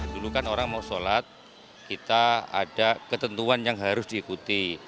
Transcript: dulu kan orang mau sholat kita ada ketentuan yang harus diikuti